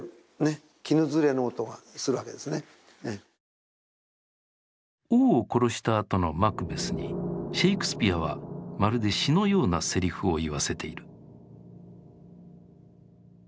あんまりこうこのあれだとあんまり王を殺したあとのマクベスにシェイクスピアはまるで詩のようなセリフを言わせている。